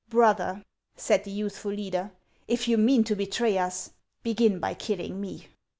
" Brother.'' said the youthful leader ;" if you mean to betray us, begin by killing me."